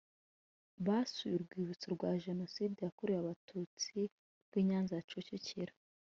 basuye Urwibutso rwa Jenoside yakorewe Abatutsi rw’i Nyanza ya Kicukiro